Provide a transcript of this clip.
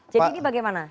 jadi ini bagaimana